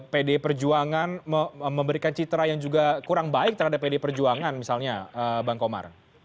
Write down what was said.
pdi perjuangan memberikan citra yang juga kurang baik terhadap pd perjuangan misalnya bang komar